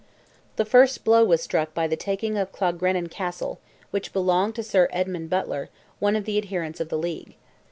The first blow was struck by the taking of Clogrennan Castle, which belonged to Sir Edmond Butler, one of the adherents of the League.